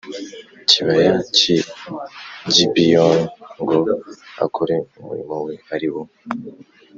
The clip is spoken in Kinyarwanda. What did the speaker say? kibaya cy i Gibeyoni ngo akore umurimo we ari wo